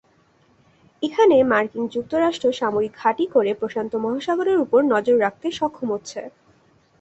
এখানে মার্কিন যুক্তরাষ্ট্র সামরিক ঘাঁটি করে প্রশান্ত মহাসাগরের ওপর নজর রাখতে সক্ষম হচ্ছে।